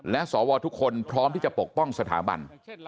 และสวทุกคนพร้อมที่จะปกป้องสถาบัน